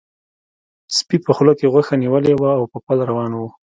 سپي په خوله کې غوښه نیولې وه او په پل روان و.